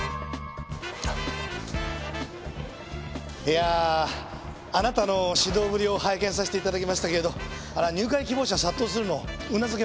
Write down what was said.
いやああなたの指導ぶりを拝見させて頂きましたけどあれは入会希望者殺到するのもうなずけます。